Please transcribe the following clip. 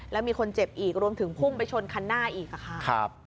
แล้วมีคนเจ็บอีกรวมถึงพุ่งไปชนคันหน้าอีกค่ะ